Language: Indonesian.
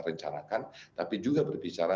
rencanakan tapi juga berbicara